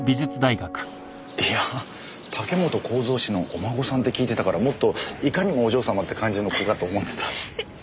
いや武本公蔵氏のお孫さんって聞いてたからもっといかにもお嬢様って感じの子かと思ってた。